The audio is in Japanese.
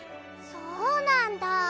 そうなんだ。